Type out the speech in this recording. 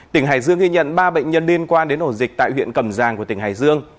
tỉnh hải dương ghi nhận ba bệnh nhân liên quan đến ổ dịch tại huyện cầm giang của tỉnh hải dương